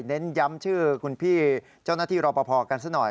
เน้นย้ำชื่อคุณพี่เจ้าหน้าที่รอปภกันซะหน่อย